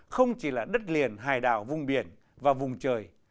không chỉ là đất liền hải đảo vùng biển và vùng trời